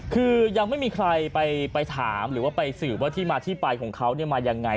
คือยังไม่มีใครไปถามหรือว่าไปสืบว่าที่มาที่ไปของเขามายังไง